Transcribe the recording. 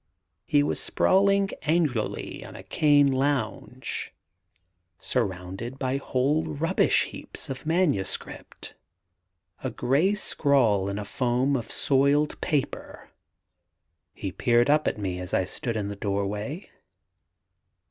He was sprawling angularly on a cane lounge, surrounded by whole rubbish heaps of manuscript, a grey scrawl in a foam of soiled paper. He peered up at me as I stood in the doorway.